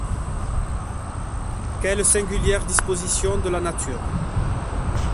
Quelle singulière disposition de la nature!